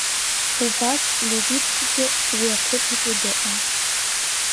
Убас Левиткгьы уи аҭыԥ аҿы дыҟан…